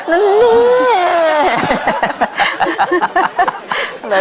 นั่นนี่